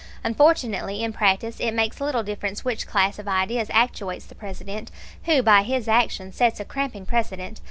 Unfortunately, in practice it makes little difference which class of ideas actuates the President, who by his action sets a cramping precedent.